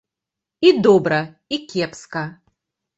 І добра, і кепска.